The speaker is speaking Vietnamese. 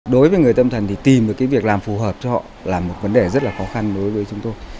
đối với người tâm thần thì tìm được cái việc làm phù hợp cho họ là một vấn đề rất là khó khăn đối với chúng tôi